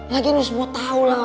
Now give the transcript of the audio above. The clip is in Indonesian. lagi harus mau tau lah